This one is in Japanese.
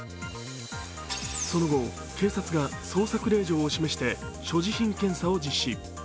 その後、警察が捜索令状を示して所持品検査を実施。